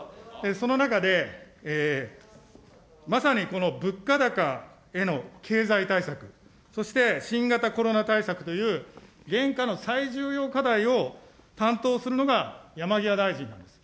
その中で、まさにこの物価高への経済対策、そして新型コロナ対策という、現下の最重要課題を担当するのが山際大臣です。